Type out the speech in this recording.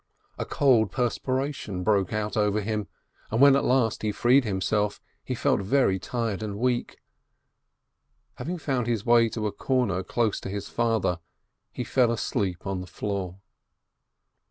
A cold perspiration broke out over him, and when at last he freed himself, he felt very tired and weak. Having found his way to a corner close to his father, he fell asleep on the floor.